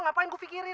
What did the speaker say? ngapain gua pikirin